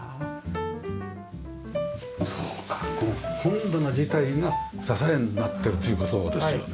そうかこの本棚自体が支えになっているという事ですよね。